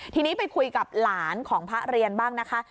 ทีนี้ไปคุยกับหลานของพระเรียนบ้างนะคะ